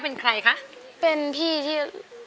โทรหาคนรู้จัก